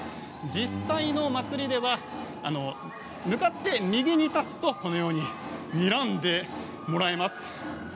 実際の祭りでは向かって右に立つとこのようににらんでもらえます。